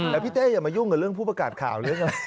แล้วพี่เท่อย่ามายุ่งกับเรื่องผู้ประกาศข่าว